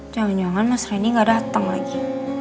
jangan jangan mas randy gak dateng lagi